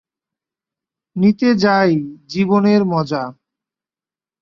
নিতে যাই, জীবনের মজা।